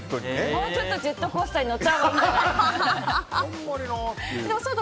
もうちょっとジェットコースターにあんまりな。